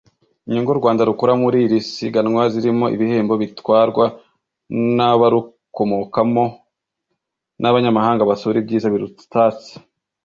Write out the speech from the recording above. Inyungu u Rwanda rukura muri iri siganwa zirimo ibihembo bitwarwa n’’abarukomokamo n’abanyamahanga basura ibyiza birutatse